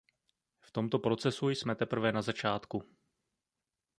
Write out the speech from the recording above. V tomto procesu jsme teprve na začátku.